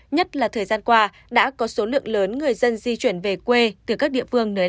nhất là thời gian qua đã có số lượng lớn người dân di chuyển về quê từ các địa phương nơi đây